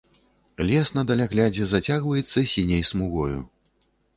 Лес на даляглядзе зацягваецца сіняй смугою.